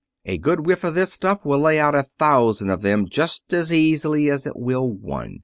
A good whiff of this stuff will lay out a thousand of them just as easily as it will one.